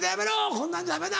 こんなんじゃダメだ！」。